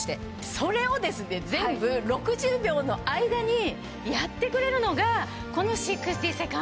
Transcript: それを全部６０秒の間にやってくれるのが。